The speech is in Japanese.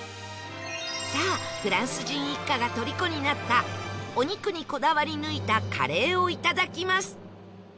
さあフランス人一家がとりこになったお肉にこだわり抜いたカレーをいただきます